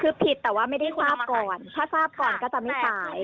คือผิดแต่ว่าไม่ได้ทราบก่อนถ้าทราบก่อนก็จะไม่สาย